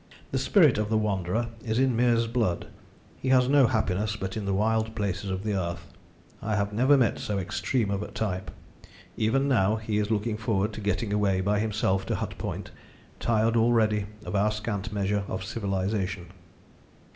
The spirit of the wanderer is in Meares' blood: he has no happiness but in the wild places of the earth. I have never met so extreme a type. Even now he is looking forward to getting away by himself to Hut Point, tired already of our scant measure of civilization."